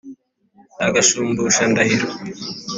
agushumbusha ndahiro,